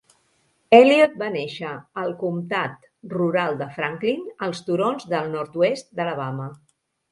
Elliott va néixer al comtat rural de Franklin, als turons del nord-oest d'Alabama.